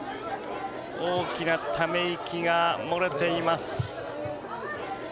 大きなため息が漏れています。